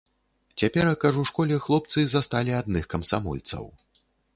Цяперака ж у школе хлопцы засталі адных камсамольцаў.